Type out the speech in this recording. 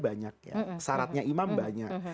banyak syaratnya imam banyak